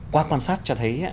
qua quan sát cho thấy